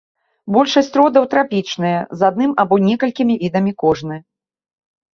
Большасць родаў трапічныя, з адным або некалькімі відамі кожны.